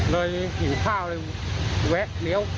เลยหินข้าวแล้วแวะเลี้ยว